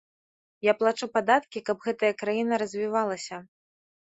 Я плачу падаткі, каб гэтая краіна развівалася.